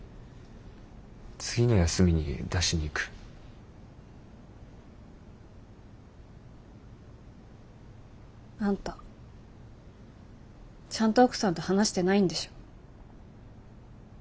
次の休みに出しに行く。あんたちゃんと奥さんと話してないんでしょ。